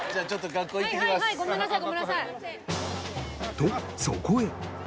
とそこへ